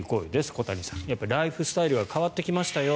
小谷さん、ライフスタイルが変わってきましたよ。